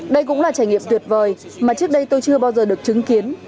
đây cũng là trải nghiệm tuyệt vời mà trước đây tôi chưa bao giờ được chứng kiến